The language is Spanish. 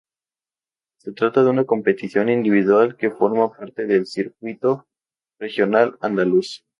Se trata de una competición individual que forma parte del Circuito Regional Andaluz.